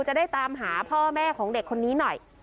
จะได้ตามหาพ่อแม่ของเด็กคนนี้หน่อย